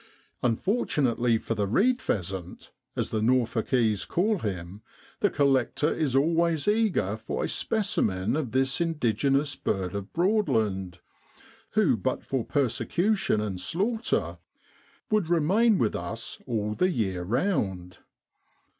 Unfor tunately for the reed pheasant, as the Norfolkese call him, the collector is always eager for a specimen of this indigenous bird of Broadland, who but for persecu tion and slaughter, would remain with us all the year round.